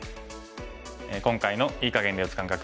今回の“いい”かげんで打つ感覚